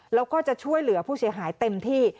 แล้วก็จะช่วยเหลือผู้เสียหายเต็มที่